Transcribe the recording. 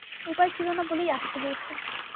উপায় ছিল না বলেই আসতে হয়েছে।